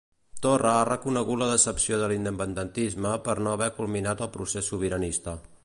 Torra ha reconegut la decepció de l'independentisme per no haver culminat el procés sobiranista.